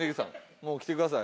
もう来てください。